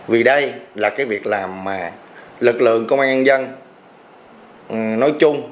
vì đây là cái việc làm mà lực lượng công an nhân dân nói chung